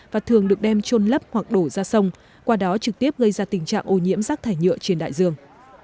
và thường được đem trôn lấp hoặc đổ ra sông qua đó trực tiếp gây ra tình trạng ô nhiễm rác thải nhựa trên đại dương